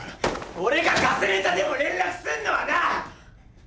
俺がガセネタでも連絡すんのはな！